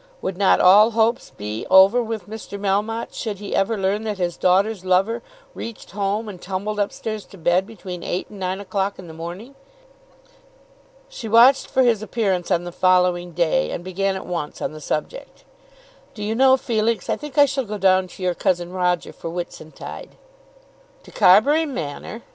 Would not all hopes be over with Mr. Melmotte should he ever learn that his daughter's lover reached home and tumbled up stairs to bed between eight and nine o'clock in the morning? She watched for his appearance on the following day, and began at once on the subject. "Do you know, Felix, I think I shall go down to your cousin Roger for Whitsuntide." "To Carbury Manor!"